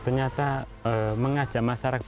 ternyata mengajak masyarakat